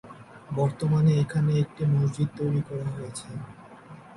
বর্তমানে এখানে একটি মসজিদ তৈরি করা হয়েছে।